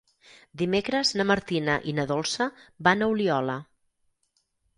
Dimecres na Martina i na Dolça van a Oliola.